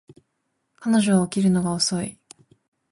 彼女は起きるのが遅い